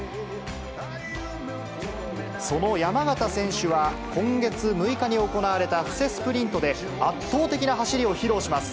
その山縣選手は、今月６日に行われた布勢スプリントで圧倒的な走りを披露します。